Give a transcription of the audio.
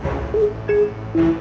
bukan mau jual tanah